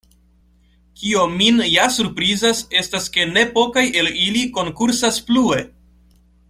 Kio min ja surprizas estas ke ne pokaj el ili konkursas plue!